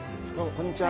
こんにちは。